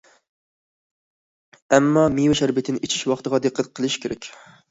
ئەمما مېۋە شەربىتىنى ئىچىش ۋاقتىغا دىققەت قىلىش كېرەك.